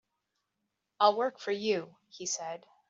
"I'll work for you," he said.